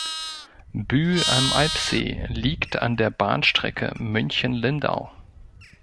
Bühl am Alpsee liegt an der Bahnstrecke München–Lindau.